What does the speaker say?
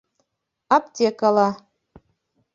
Аптекала